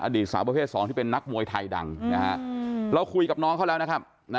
สาวประเภท๒ที่เป็นนักมวยไทยดังเราคุยกับน้องเขาแล้วนะครับ